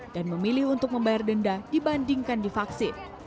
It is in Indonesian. dan memilih untuk membayar denda dibandingkan divaksin